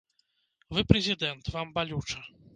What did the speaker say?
Вы прэзідэнт, вам балюча.